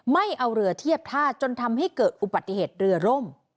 ไม่เอาเรือเทียบท่าจนทำให้เกิดอุบัติเหตุเรือร่ม